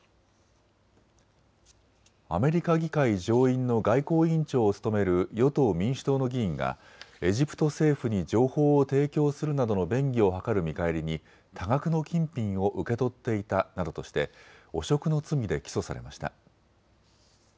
アメリカ議会上院の外交委員長を務める与党・民主党の議員がエジプト政府に情報を提供するなどの便宜を図る見返りに多額の金品を受け取っていたなどとして汚職の罪で起訴されました。